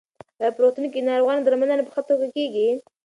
ایا په روغتون کې د ناروغانو درملنه په ښه توګه کېږي؟